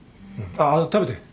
あっ食べて。